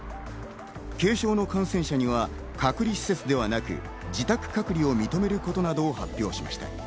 軽症の感染者には隔離施設ではなく自宅隔離を認めることなどを発表しました。